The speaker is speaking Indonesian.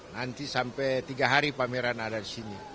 nanti sampai tiga hari pameran ada di sini